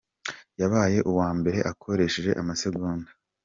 yabaye uwa mbere akoresheje amasegonda